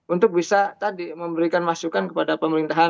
untuk bisa tadi memberikan masukan kepada pemerintahan